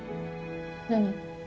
何？